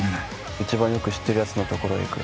いちばんよく知ってるやつのところへ行く。